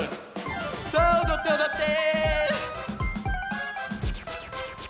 さあおどっておどって！